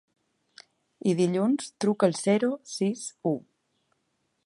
I dilluns truco al zero sis u.